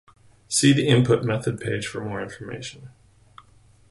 See the input method page for more information.